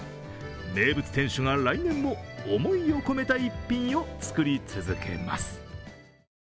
名物店主が来年も思いを込めた逸品を作り続けます。